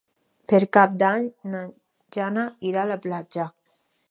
Per Cap d'Any na Jana irà a la platja.